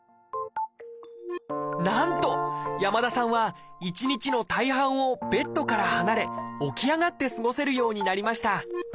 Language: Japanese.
なんと山田さんは一日の大半をベッドから離れ起き上がって過ごせるようになりました。